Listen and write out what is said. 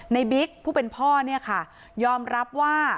บิ๊กผู้เป็นพ่อเนี่ยค่ะยอมรับว่า